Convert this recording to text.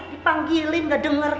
dipanggilin gak denger